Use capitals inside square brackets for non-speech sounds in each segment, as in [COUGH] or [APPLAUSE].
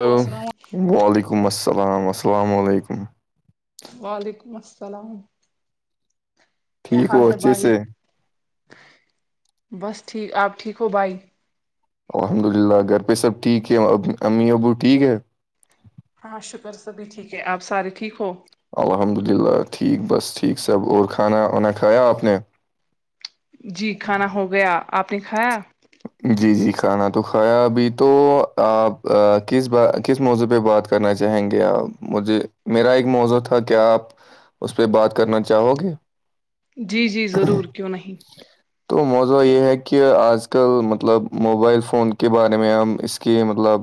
تو السلام وعلیکم السلام السلام علیکم وعلیکم السلام کیا ٹھیک حال ہو ہے اچھے بھائی سے بس ٹھیک آپ ٹھیک ہو بھائی الحمد للہ گھر پہ سب ٹھیک ہے امی ابو ٹھیک ہے ہاں شکر سبھی ٹھیک ہے آپ سارے ٹھیک ہو الحمد للہ ٹھیک بس ٹھیک سب اور کھانا وانا کھایا آپ نے جی کھانا ہو گیا آپ نے کھایا جی جی کھانا تو کھایا ابھی تو آپ کس ب کس موضوع پہ بات کرنا چاہیں گے آ مجھے میرا ایک موزع تھا کہ آپ اس پہ بات کرنا چاہو گے جی جی ضرور کیوں نہیں تو موزہ یہ ہے کہ آج آج کل مطلب موبائل فون کے بارے میں ہم اس کے مطلب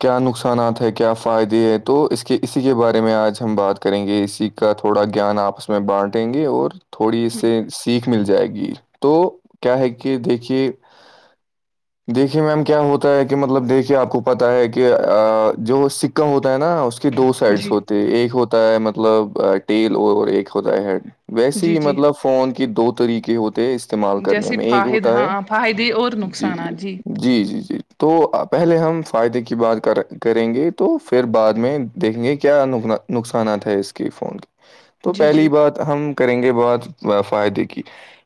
کیا نقصانات ہے کیا فائدے ہے تو اس کے اسی کے بارے میں آج ہم بات کریں گے اسی کا تھوڑا گان آپس میں بانٹیں گے اور تھوڑی اس سے سیکھ مل جائے گی تو کیا ہے کہ دیکھیے دیکھیے میم کیا ہوتا ہے کہ مطلب دیکھیے آپ کو پتا ہے کہ جو سکہ ہوتا ہے نا اس اس کے دو سائڈس جی ہوتے ایک ہوتا ہے مطلب ٹیل اور ایک ہوتا ہے ہیڈ ویسے جی ہی جی مطلب فون کے دو طریقے ہوتے ہیں اس استعمال کرنے جیسے میں ایک فاہد ہوتا ہاں ہے فائدے اور جی جی نقصانات جی جی جی تو پہلے ہم فائدے کی بات کر کریں گے تو پھر بعد میں دیکیں گے کیا نقصانات ہے اس کی فون کی تو جی جی پہلی بات ہم کریں گے بہت فائدے کی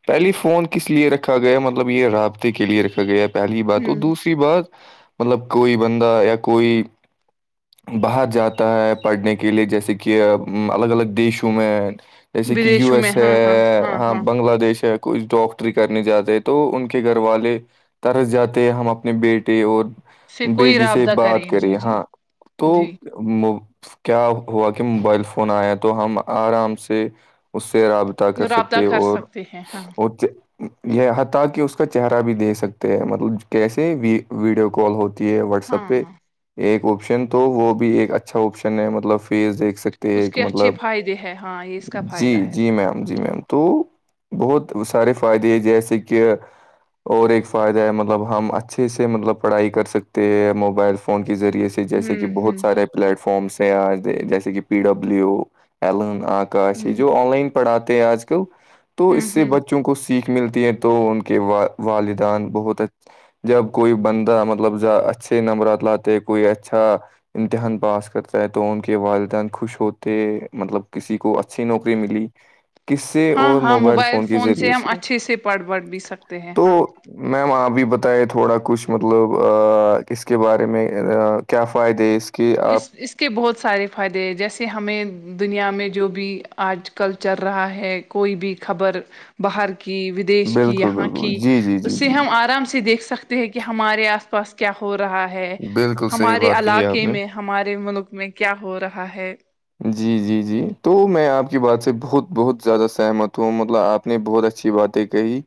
پہلی فون کس لیے رکھا گیا ہے مطلب یہ رابطے کے لیے رکھا گیا ہے پہلی بات اور ہوں دوسری بات مطلب کوئی بندہ یا کوئی باہر جاتا ہے پڑھنے کے لیے جیسے کہ الگ الگ دیشوں میں جیسے کہ یو ودیشوں میں ایس ہے ہاں ہاں ہاں بنگلہ دیش ہے کچھ ڈاکٹری کرنے جاتے ہیں تو ان کے گھر والے طرس جاتے ہم اپنے بیٹے اور سے کوئی بیٹی سے رابطہ بات کریں جی کرے جی ہاں تو جی کیا ہوا کہ موبائل فون آیا تو ہم آرام سے اس سے رابطہ کر رابطہ سکتے کر اور سکتے ہیں ہاں یہ حتی کہ اس کا چہرہ بھی دے سکتے ہیں مطلب کیسے ویڈیو کال ہو ہے واٹس ہاں ایپ پہ ہاں ایک آپشن تو وہ بھی ایک اچھا آپشن ہے مطلب فیز دیک سکتے اس ہیں کے کہ اچھے مطلب فائدے ہے ہاں یہ اس کا جی فائدہ ہے جی میم جی میم تو بہت سارے فائدے ہے جیسے کہ اور ایک فائدہ ہے مطلب ہم اچھے سے مطلب پڑھائی کر سکتے ہیں موبائل فون کے ذریعے سے جیسے کہ ہوں بہت ہوں سارے پلیٹ فارمس ہیں جیسے کہ پی ڈبلو ایلن آ کش ہے ہوں جو آن لائن پڑھاتے ہیں آج کل تو اس ہوں سے ہوں بچوں کو سیکھ ملتی ہے تو ان کے والدین بہت اچھ [UNINTELLIGIBLE] جب کوئی بندہ مطلب اچھے نمبرات لاتے کوئی اچھا امتحان پاس کرتا ہے تو ان کے والدین خوش ہوتے مطلب کسی کو اچھی نوکری ملی کسے ہاں اور ہاں موبائل فون کے ذریعے ہم سے اچھے پڑھ بڑھ بھی سکتے ہیں تو ہاں میم آپ بھی بتے تھوڑا کچھ مطلب اس کے بارے میں کیا فائدے اس کے اس آپ اس اس کے بہت سارے فائدے ہیں جیسے ہمیں دنیا میں جو بھی آج کل چل رہا ہے کوئی بھی خبر باہر کی دیش کی بالکل یہاں بالکل کی جی جی اس جی سے جی ہم جی آرام سے دیکھ سکتے [UNINTELLIGIBLE] ہیں کہ ہمارے آس پاس کیا ہو رہا ہے بالکل صحیح ہمارے بات کہی علاقے [UNINTELLIGIBLE] آپ نے ہمارے ملک میں کیا ہو رہا ہے جی جی جی تو میں آپ کی بات سے بہت بہت زیادہ سہمت ہوں مطلب آپ آپ نے بہت اچھی باتیں کہی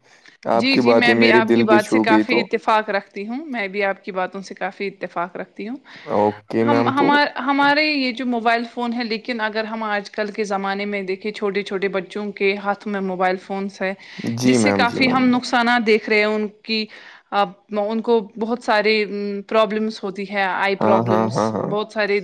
آپ جی کی جی میں باتیں بھی میرری آپ کی دل بھی بات سے چھو گئی کافی تو اتفاق رکھتی ہوں میں بھی آپ کی باتوں سے کافی اتفاق رکھتی ہوں اوکے ہم میم تو ہمار [UNINTELLIGIBLE] ہمارے یہ جو موبائل فون ہے لیکن اگر ہم آج کل کے زمانے میں دیکھے چھوٹے چھوٹے بچوں کے ہاتھ میں موبائل فونس ہے جس جی سے میم کافی [UNINTELLIGIBLE] جی میم نقصانات دیکھ رہے ہیں ان کی ان کو بہت سارے پرابلمس ہوتی ہے آئی ہاں ہاں پرابلمس ہاں ہاں بہت سارے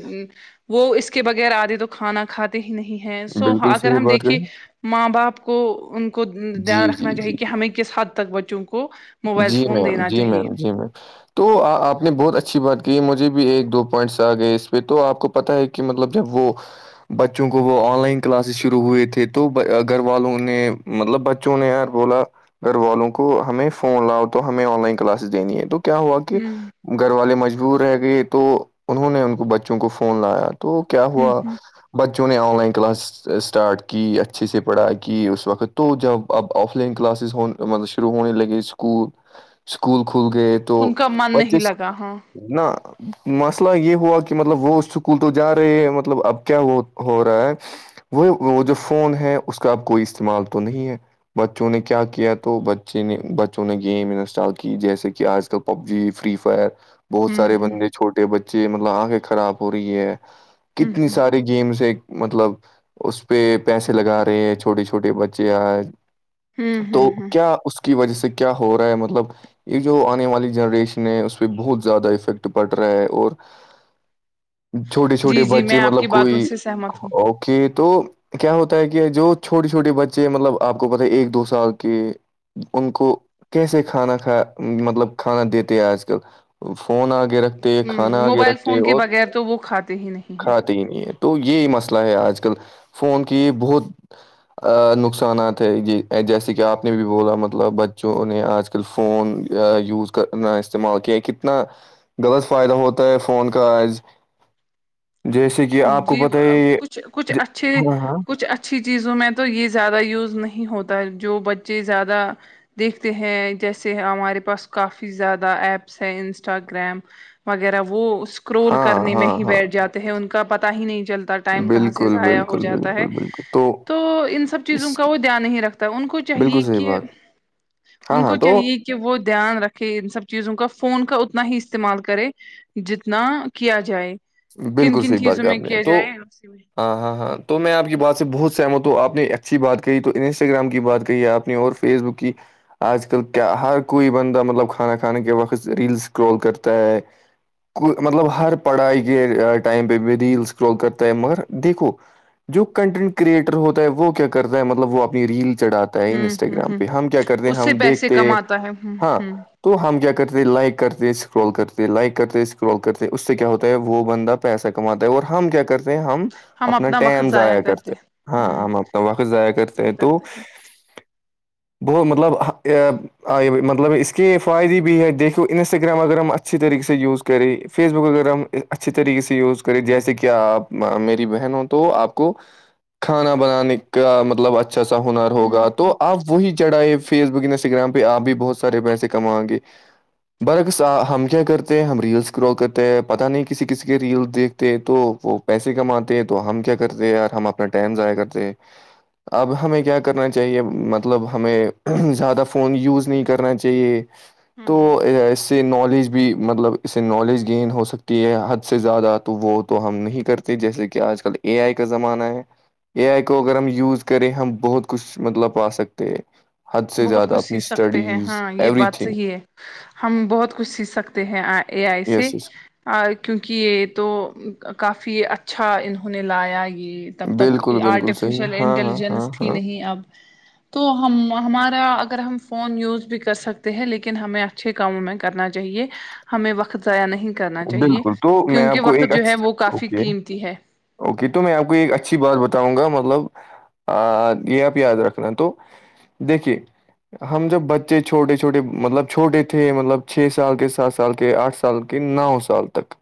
وہ اس کے بغیر آدھے تو کھانا کھاتے ہی نہیں ہیں سو بالکل اگر صحیح ہم بات دیکھیے کریں ماں باپ کو ان کو جی دھیان جی رکھنا جی چاہیے کہ ہمیں کس حد تک بچوں کو [UNINTELLIGIBLE] جی فون میم دینا جی چاہیے میم جی میم تو آپ نے بہت اچھی بات کہ مجھے بھی ایک دو پوائنٹس آ گئے اس پہ تو آپ کو پتہ ہے کہ مطلب جب وہ [UNINTELLIGIBLE] بچوں کو وہ آن لائن کلاسز شروع ہوئے تھے تو گھر والوں نے مطلب بچوں نے یار بولا گھر والوں کو ہمیں فون لاؤ تو ہمیں آن لائن کلاسز دینی ہے تو کیا ہوا کہ ہوں [UNINTELLIGIBLE] گھر والے مجبور رہ گئے تو انہوں نے ان کو بچوں کو فون لایا تو کیا ہوں ہوا [UNINTELLIGIBLE] بچوں نے آن لائن کلاس اسٹارٹ کی اچھے سے پڑھائی کی اس وقت تو جب [UNINTELLIGIBLE] اب آف لائن کلاسز ہو مطلب شروع ہونے لگے اسکول اسکول کھل گئے [UNINTELLIGIBLE] تو ان کا من نہیں پچیس لگا ہاں نا [UNINTELLIGIBLE] مسئلہ یہ ہوا کہ مطلب وہ اسکول تو جا رہے ہیں مطلب اب کیا ہو رہا ہے وہ وہ جو فون ہے اس کا اب کوئی استعمال تو نہیں ہے بچوں نے کیا کیا تو بچے نے بوں نے گیم انسٹال کی جیسے کہ آج کل پب جی فری فائر بہت ہوں سارے ہ بندے [UNINTELLIGIBLE] چھوٹے بچے مطلب آنگیں خراب ہو رہی ہے ہوں کتنی ساری گیمس مطلب اس پہ پیسے لگا رہے ہیں چھوٹے چھوٹے بچے [UNINTELLIGIBLE] ہوں تو ہوں ہوں کیا اس کی وجہ سے کیا ہو رہا ہے مطلب یہ جو آنے والی جنریشن ہے اس پہ بہت زیادہ افیکٹ پڑ رہا ہے اور چھوٹے جی چھوٹے جی میں بچے آپ کی مطلب باتوں کوئی سے سہمت ہوں کہ تو کیا ہوتا ہے کہ جو چھوٹے چھوٹے بچے مطلب آپ کو پت ہے ایک دو سال کے ان کو کیسے کھانا کھا مطلب کھانا دیتے ہیں آج کل فون آ آگے رکھتے ہوں کھانا آگے موبائل رکھتے فون کے اور بغیر تو وہ کھاتے ہی نہیں ہیں کھاتے ہی نہیں ہے تو یہی مسئلہ ہے آج کل فون کی بہت ا نقصانات ہے یہ جیسے کہ آپ نے بھی بولا مطلب جو انہیں آج کل فون یوز کرنا استعمال کیا ہے کتنا غلط فائدہ ہوتا ہے فون کا جیسے کہ آپ کو جی پت ہے کچھ کچھ ج- اچھے ہاں ہاں کچھ اچھ اچھی چیزوں میں تو یہ زیادہ یوز نہیں ہوتا ہے جو بچے زیادہ دیکھتے ہیں جیسے ہمارے پاس کافی زیادہ ایپس ہیں انسٹاگرام وغیرہ وہ اسکرول ہاں کرنے میں ہاں ہی ہاں بیٹھ جاتے ہیں ان کا پتا ہی نہیں چلتا ٹائم کہاں سے بالکل ضائع ہو بالکل جاتا ہے بالکل بالکل تو ان سب اس چیزوں کا وہ دھیان نہیں رکھتا تو ان کو بالکل چاہیے صحیح کہ بات ہاں ان ہاں کو تو چاہیے کہ وہ دھیان رکھے ان سب چیزوں کا فون کا اتنا ہی استعمال کرے جتنا کیا جائے کن بالکل کن صحیح بات چیزوں کہ میں آپ نے کیا تو جائے اسی میں۔ ہاں ہاں ہاں تو میں آپ کی بات سے بہت سہمت ہوں آپ نے اچھی بات کہی تو انسٹاگرام کی بات کہی آپ نے اور فیس بک کی آج کل کیا ہر کوئی بندہ مطلب کھانا کھانے کے وقت ریلس کررال کرتا ہے کو مطلب ہر پڑھائی کے ٹائم پہ بھی ریل اسکرول کرتا ہے مگر دیکھو جو کنٹینٹ کریٹر ہوتا ہے وہ کیا کرتا ہے مطلب وہ اپنی ریل چڑھاتا ہوں ہوں انسٹاگرام ہوں پہ ہم کیا کرتے ہیں اس سے ہم پیسے دیکھتے کماتا ہے ہوں ہاں ہوں تو ہم کیا کرتے لائک کرتے اسکرول کرتے لائک کرتے اسکرول کرتے اس سے کیا ہوتا وہ بندہ پیسہ کماتا ہے اور ہم کیا کرتے ہیں ہم ہم اپنا وقت ٹم ضائع کرتے ہیں۔ ہاں ہوں ہم اپنا وقت ضائع کرتے ہیں تو بہت مطلب مطلب اس کے فائدے بھی ہے دیکھو انسٹاگرام اگر ہم اچھی طریقے سے یوز کریں فیس بک اگر ہم اچھے طریقے سے یوز کرے جیسے کہ آپ میری بہن ہو تو آپ کو کھانا بنانے کا مطلب اچھا سا ہنر ہوں ہوگا تو آپ وہی چڑھا ہے فیس بک انسٹاگرام پہ آپ بھی بہت سارے پیسے کمائیں گے برعکس ہم کیا کرتے ہیں ہم ریلس کررو کرتے ہیں پتا نہیں کسی کسی کے ریل دیکتے تو وہ پیسے کماتے ہیں تو ہم کیا کرتے ہیں ار ہم ٹین جایا کرتے اب ہمیں کیا کرنا چاہیے مطلب ہمیں زیادہ فون یوز نہیں کرنا چاہیے تو ہوں اس سے نالج بھی مطلب اس سے نالج گین ہو سکتی حد سے زیادہ تو وہ تو ہم نہیں کرتے جیسے کہ آج کل اے آئی کا زمانہ ہے اے آئی کو اگر ہم یوز کریں ہم بہت کچھ مطلب پا سکتے ہیں حد سے بہت زیادہ کچھ اپنی سیکھ سکتے ہیں اسٹڈیز ہاں یہ ایوری بات تھنگ صحیح ہے ہم بہت کچھ سیکھ سکتے ہیں اے آئی سے یس یس کیونکہ یہ تو کافی اچھا انہوں نے لایا یہ تب تک بالکل، بالکل صحیح ہے آرٹیفیشیل ہاں، ہاں، ہاں، انٹیلیجنس تھی ہاں، نہیں اب تو ہم ہمارا اگر ہم فون یوز بھی کر سکتے ہیں لیکن ہمیں اچھے کاموں میں کرنا چاہیے ہمیں وقت ضائع نہیں کرنا چاہیے بالکل تو میں کیونکہ آپ کو وقت ایک جو ہے اچھی وہ کافی اوکے، قیمتی ہے اوکے تو میں آپ کو ایک اچھی بات بتاؤں گا مطلب یہ آپ یاد رکھنا ہے تو دیکھیے ہم جب بچے چھوٹے چھوٹے مطلب چھوٹے تھے مطلب چھ سال کے سات سال کے آٹھ سال نو سال تک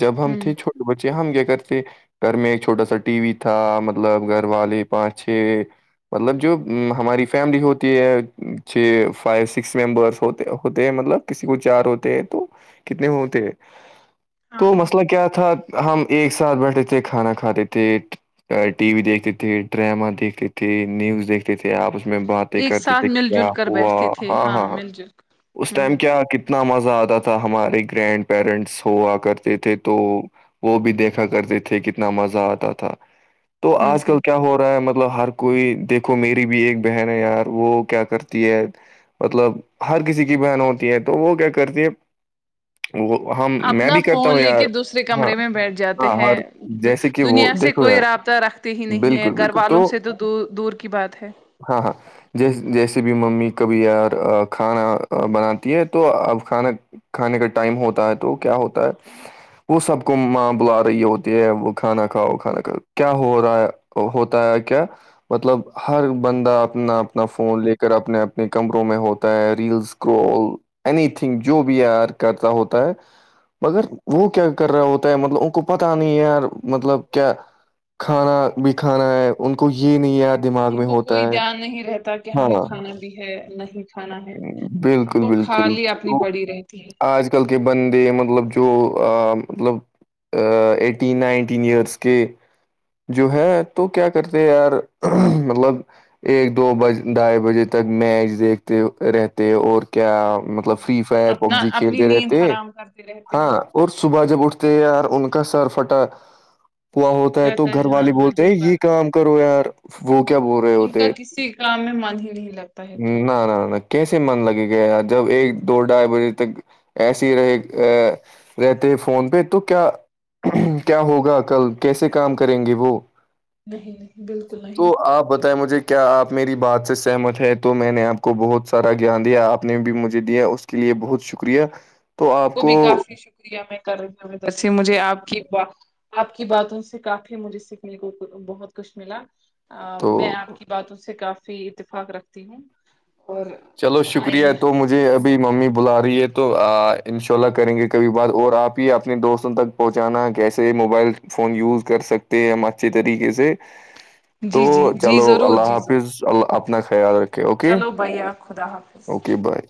جب ہم ہ تھے چھوٹے بچے ہم کیا کرتے گھر میں ایک چھوٹا سا ٹی وی تھا مطلب گھر والے پانچ چھ مطلب جو ہماری فیملی ہوتی ہے چھ فائیو سکس ممبرس ہو ہوتے ہیں مطلب کسی کو چار ہوتے ہیں تو کتنے ہوتے تو مسئلہ کیا تھا ہم ایک ساتھ بیٹھے تھے کھانا کھاتے تھے ٹی وی دیکھتے تھے ڈرامہ دیکھتے تھے نیوز دیکھتے تھے آپ اس میں باتیں ایک کرتے ساتھ تھے مل کیا جل کر ہوا بیٹھتے تھے ہاں ہاں ہاں مل جل اس کر ٹائم ہ کیا کتنا مزہ آتا تھا ہمارے گرینڈ پیرنٹس ہوا کرتے تھے تو وہ بھی دیکھا کرتے تھے کتنا مزہ آتا تھا تو ہ آج ہ کل کیا ہو رہا ہے مطلب مطلب ہر کوئی دیکھو میری بھی ایک بہن ہے یار وہ کیا کرتی ہے مطلب ہر کسی کی بہن ہوتی ہے تو وہ کیا کرتی ہے وہ ہم میں اپنا بھی کرتا فون ہوں لے یار کے دوسرے ہاں کمرے میں بیٹھ جاتے ہاں ہیں ہر جیسے کہ وہ دنیا سے دیکھو یار کوئی رابط رکھتے ہی نہیں ہے بالکل گھر بالکل والوں سے تو دور کی بات ہے ہاں ہاں جیس جیسے بھی ممی کبھی یار کھانا بناتی ہے تو اب کھانا کھانے کا ٹائم ہوتا ہے تو کیا ہوتا ہے وہ سب کو ماں بلا رہی ہوتی ہے وہ کھانا کھاؤ وہ کھانا کھاؤ کیا ہو رہا ہے ہوتا ہے کیا مطلب ہر بندہ اپنا اپنا فون لے کر اپنے اپنے کمروں میں ہوتا ہے ریلس کوول اینی تھنگ جو بھی یار کرتا ہوتا ہے مگر وہ کیا کر رہا ہوتا ہے مطلب ان کو پتا نہیں ہے یار مطلب کیا کھانا بھی کھانا ہے ان کو یہ نہیں یاد ان کو کوئی دھیان نہیں رہتا کہ ہمیں کھانا ہے نہیں کھانا ہے ہم بالکل کو کی اپنی پڑی رہتی ہے نکل کے بندے مطلب جو مطلب ایٹین نائنٹین ایئرس کے جو ہے تو کیا کرتے یار مطلب ایک دو بج ڈھائی بجے تک میچ دیکھتے رہتے اور کیا مطلب ہوں، فری فائر اپنا پب جی اپنی کھیلتے نیند رہتے حرام کرتے رہتے ہاں ہیں اور صبح جب اٹھتے یار ان کا سر پھٹا پوا ہوتا ہے تو رہتا گھر ہاں والے ہاں بولتے دن ہیں بھر یہ کام کرو یار وہ کیا بول رہے ان کا ہوتے کسی کام میں من ہی نہیں لگتا ہے پھر نہ نہ کیسے من لگے گا جب ایک دو ڈھائی بجے تک ایسے ہی رہے رہتے فون پہ تو کیا کیا ہوگا کل کیسے کام کریں گے وہ نہیں نہیں بالکل نہیں تو آپ بتائیں مجھے کیا آپ میری بات سے سہمت ہے تو میں نے آپ کو بہت سارا گان دیا آپ نے بھی مجھے دیا اس کے لیے بہت شکریہ آپ کو بھی کافی شکریہ میں کر رہی ہوں ج سے مجھے آپ کی آپ کی باتوں سے کافی مجھے سیکھنے کو بہت کچھ ملا میں تو آپ کی باتوں سے کافی اتفاق رکھتی ہوں اور چلو شکریہ ہے آئندہ تو مجھے جی ابھی ممی بلا رہی ہے تو انشاء اللہ کریں گے کبھی بار اور آپ ہی اپنے دوستوں تک پہنچانا کیسے موبائل فون یوز کر سکتے ہیں ہم اچھے طریقے سے تو جی جی جی چلو ضرور اللہ جی ضرور حافظ ال اپنا خیال رکھ چلو بھیا خدا حافظ اوکے بائے